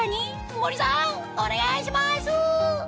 森さんお願いします！